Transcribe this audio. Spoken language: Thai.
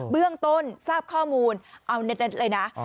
เบื้องต้นทราบข้อมูลเอาเน็ตเลยนะ